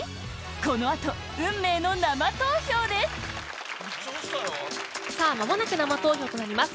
このあと運命の生投票ですさあ、まもなく生投票始まります。